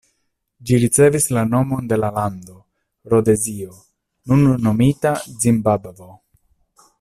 Ĝi ricevis la nomon de la lando Rodezio, nun nomita Zimbabvo.